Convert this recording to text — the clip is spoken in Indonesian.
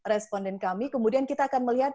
responden kami kemudian kita akan melihat